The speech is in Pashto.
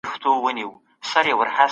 جان سبت ویلي وو چي څېړنه باید دقیقه وي.